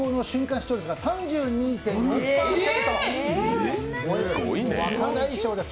視聴率が３２．４％、若大将です。